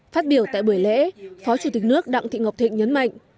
phát biểu tại buổi lễ phó chủ tịch nước đặng thị ngọc thịnh nhấn mạnh